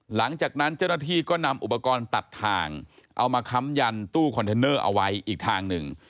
หลังจากนั้นเจ้าหน้าที่ก็นำอุปกรณ์ตัดทางเอามาค้ำยันตู้คอนเทนเนอร์เอาไว้อีกทางหนึ่ง